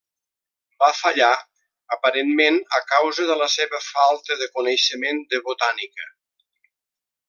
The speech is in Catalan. Va fallar, aparentment a causa de la seva falta de coneixement de botànica.